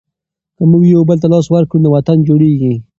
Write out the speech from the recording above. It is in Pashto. که موږ یو بل ته لاس ورکړو نو وطن جوړیږي.